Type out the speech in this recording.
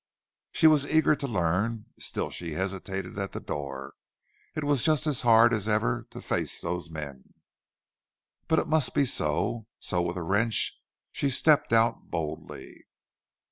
She was eager to learn, still she hesitated at the door. It was just as hard as ever to face those men. But it must be, so with a wrench she stepped out boldly.